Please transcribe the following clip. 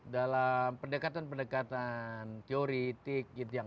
dalam pendekatan pendekatan teori etik gitu